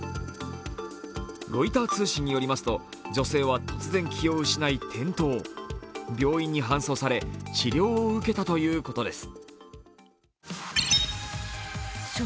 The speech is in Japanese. ロイター通信によりますと女性は突然、気を失い転倒病院に搬送され治療を受けたということです。